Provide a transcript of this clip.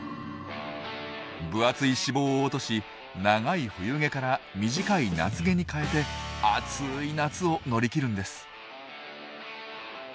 分厚い脂肪を落とし長い冬毛から短い夏毛に換えて暑い夏を乗り切るんです。